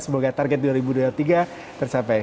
semoga target dua ribu dua puluh tiga tercapai